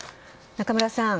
仲村さん